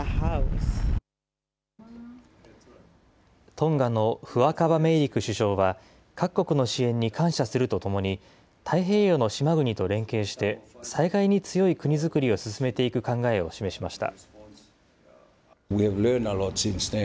トンガのフアカバメイリク首相は、各国の支援に感謝するとともに、太平洋の島国と連携して、災害に強い国造りを進めていく考えを示しました。